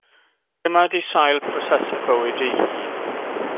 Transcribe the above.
Dyma ydy sail prosesau bywyd ei hun.